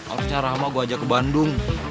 harusnya rahma gue ajak ke bandung